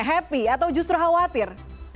happy atau justru khawatir